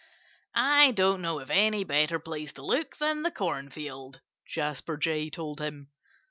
"I don't know of any better place to look than the cornfield," Jasper Jay told him.